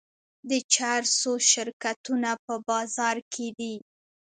د چرسو شرکتونه په بازار کې دي.